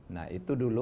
nah itu dulu